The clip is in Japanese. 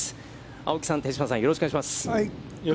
青木さん、手嶋さん、よろしくお願いします。